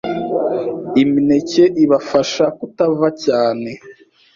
imineke ibafasha kutava cyane